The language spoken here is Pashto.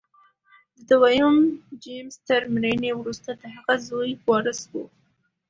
د دویم جېمز تر مړینې وروسته د هغه زوی وارث و.